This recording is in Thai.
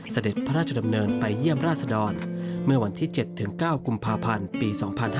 เสด็จพระราชดำเนินไปเยี่ยมราชดรเมื่อวันที่๗๙กุมภาพันธ์ปี๒๕๕๙